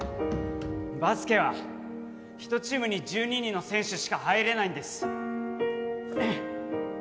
バスケは１チームに１２人の選手しか入れないんです